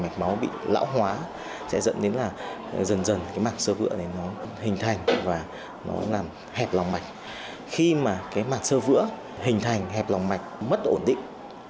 khi mà mạng sơ vữa hình thành hẹp lòng mạch mất ổn định